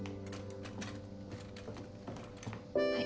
はい。